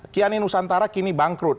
kiani nusantara kini bangkrut